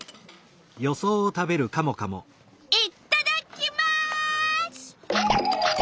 いっただっきます！